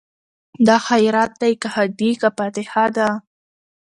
دا خیرات دی که ښادي که فاتحه ده